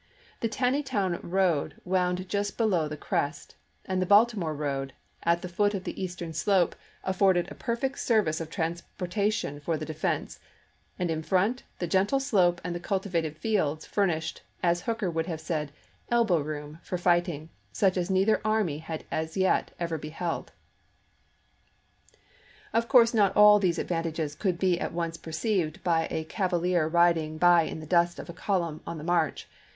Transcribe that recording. The Taneytown road wound just below the crest, and the Baltimore road, at the foot of the eastern slope, afforded a perfect service of transportation for the defense ; and in front, the gentle slope and the cultivated fields furnished, as Hooker would have said, " elbow room " for fighting, such as neither army had as yet ever beheld. Of course not all these advantages could be at once perceived by a cavalier riding by in the dust of a column on the march.